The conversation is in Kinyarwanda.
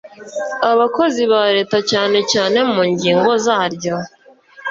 Abakozi ba Leta cyane cyane mu ngingo zaryo